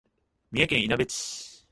三重県いなべ市